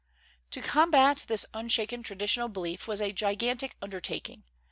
To combat this unshaken traditional belief was a gigantic undertaking.